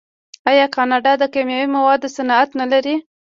آیا کاناډا د کیمیاوي موادو صنعت نلري؟